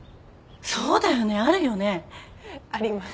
そうだよねあるよね。あります。